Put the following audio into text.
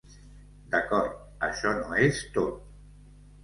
D'acord, això no és tot.